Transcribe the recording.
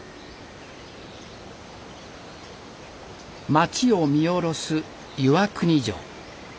町を見下ろす岩国城。